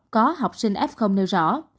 có học sinh f nêu rõ